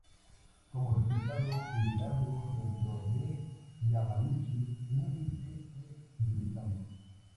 Como resultado el liderazgo dentro de Yamaguchi-gumi se fue debilitando.